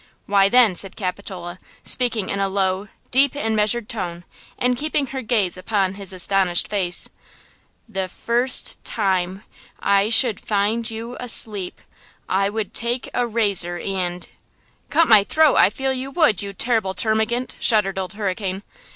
"Why, then," said Capitola, speaking in a low, deep and measured tone, and keeping her gaze upon his astonished face, "the–first–time–I–should–find–you–asleep–I –would–take–a–razor–and–" "Cut my throat! I feel you would, you terrible termagant!" shuddered Old Hurricane.